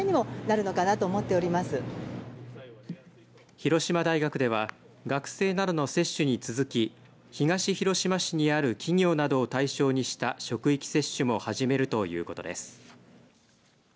広島大学では学生などの接種に続き東広島市にある企業などを対象にした職域接種も始めるということです。